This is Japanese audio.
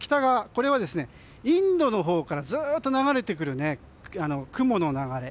これはインドのほうからずっと流れてくる雲の流れ。